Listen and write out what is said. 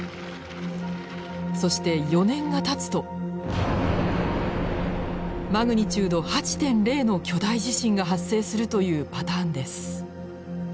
そして４年がたつとマグニチュード８．０の巨大地震が発生するというパターンです。